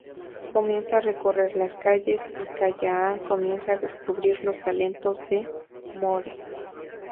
Comienzan a recorrer las calles y Callahan comienza a descubrir los talentos de Moore.